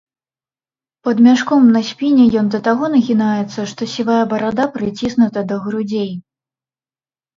Пад мяшком на спіне ён да таго нагінаецца, што сівая барада прыціснута да грудзей.